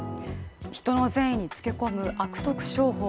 人の善意につけ込む悪徳商法。